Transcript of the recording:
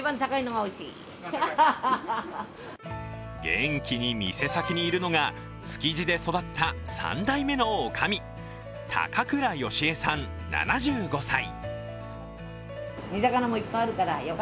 元気に店先にいるのが築地で育った３代目のおかみ・高倉良江さん７５歳。